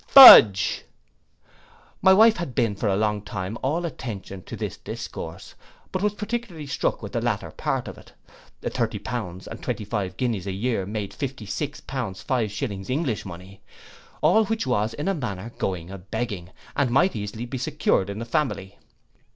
Fudge! My wife had been for a long time all attention to this discourse; but was particularly struck with the latter part of it. Thirty pounds and twenty five guineas a year made fifty six pounds five shillings English money, all which was in a manner going a begging, and might easily be secured in the family.